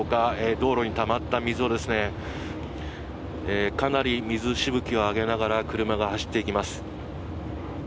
道路にたまった水をかなり水しぶきを上げながら車が走っていきます。